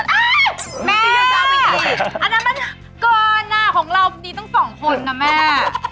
อ้าวแม่อันนั้นมันกรน่ะของเราดีต้อง๒คนนะแม่